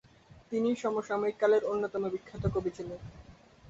তিনি সমসাময়িক কালের অন্যতম বিখ্যাত কবি ছিলেন।